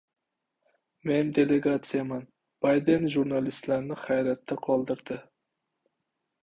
“Men delegatsiyaman”. Bayden jurnalistlarni hayratda qoldirdi